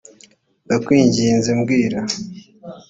ndakwinginze mbwira